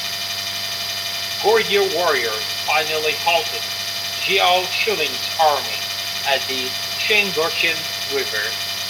Goryeo warriors finally halted Xiao Sunning's army at the Cheongcheon River.